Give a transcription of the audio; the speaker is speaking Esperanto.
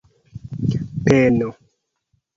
peno